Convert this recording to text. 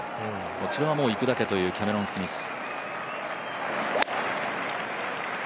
こちらはもういくだけというキャメロン・スミス。